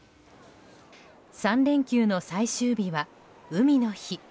３連休の最終日は海の日。